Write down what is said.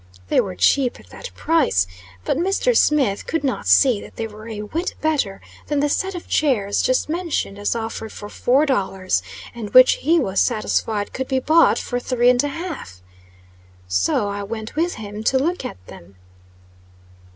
They were cheap at that price. But Mr. Smith could not see that they were a whit better than the set of chairs just mentioned as offered for four dollars; and which he was satisfied could be bought for three and a half. So I went with him to look at them.